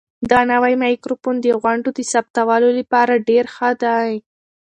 دا نوی مایکروفون د غونډو د ثبتولو لپاره ډېر ښه دی.